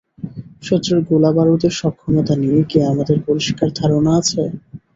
শত্রুর গোলাবারুদের সক্ষমতা নিয়ে কি আমাদের পরিষ্কার ধারণা আছে?